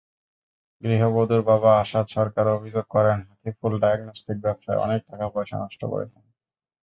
গৃহবধূর বাবা আসাদ সরকার অভিযোগ করেন, হাকিফুল ডায়াগনস্টিক ব্যবসায় অনেক টাকাপয়সা নষ্ট করেছেন।